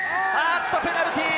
ペナルティー！